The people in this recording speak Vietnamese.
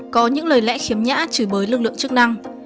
có những lời lẽ khiếm nhã chửi bới lực lượng chức năng